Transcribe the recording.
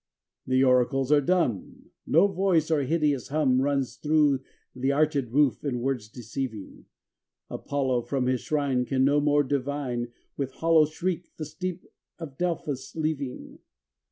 XIX The Oracles are dumb; No voice or hideous hum Runs through the arched roof in words deceiving. Apollo from his shrine Can no more divine. With hollow shriek the steep of Delphos leaving.